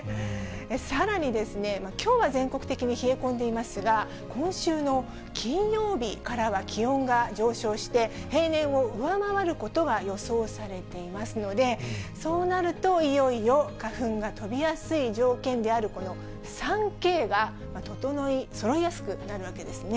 さらにですね、きょうは全国的に冷え込んでいますが、今週の金曜日からは気温が上昇して、平年を上回ることが予想されていますので、そうなると、いよいよ花粉が飛びやすい条件である、この３Ｋがそろいやすくなるわけですね。